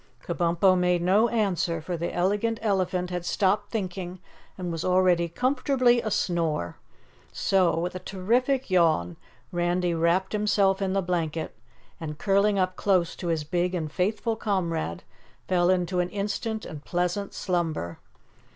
Kabumpo made no answer, for the Elegant Elephant had stopped thinking and was already comfortably asnore. So, with a terrific yawn, Randy wrapped himself in the blanket and, curling up close to his big and faithful comrade, fell into an instant and pleasant slumber.